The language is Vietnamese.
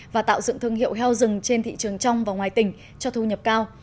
và tạo dựng thương hiệu heo rừng trên thị trường trong và ngoài tỉnh cho thu nhập cao